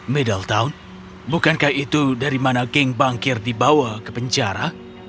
middletown bukankah itu dari mana geng bangkir dibawa ke penjara